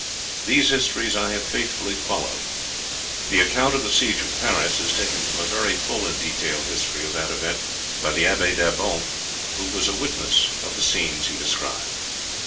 These histories I have faithfully followed. The account of the siege of Paris is taken from a very full and detailed history of that event by the Abbe D'Abbon, who was a witness of the scenes he described.